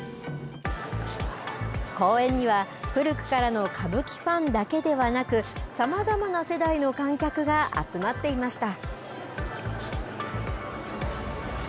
公演には古くからの歌舞伎ファンだけではなくさまざまな世代の観客が集まっていました。